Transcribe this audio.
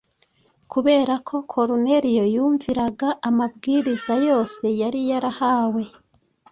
Kubera ko Koruneliyo yumviraga amabwiriza yose yari yarahawe,